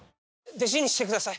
「弟子にしてください。